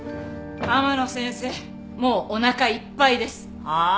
天野先生もうおなかいっぱいです。はあ？